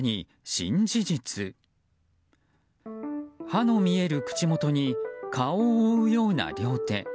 歯の見える口元に顔を覆うような両手。